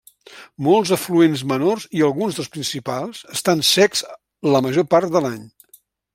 Molts afluents menors i alguns dels principals estan secs la major part de l'any.